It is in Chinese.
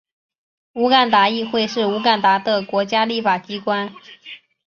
乌干达议会是乌干达的国家立法机关。